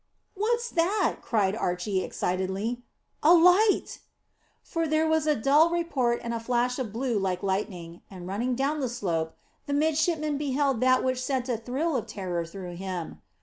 "What's that?" cried Archy excitedly, "a light!" For there was a dull report and a flash of blue like lightning; and, running down the slope, the midshipman beheld that which sent a thrill of terror through him.